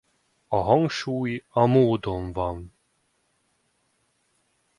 A hangsúly a módon van.